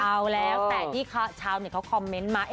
เอามีแต่ที่คักชาวเนี้ยเค้าคอมเม้นต์มา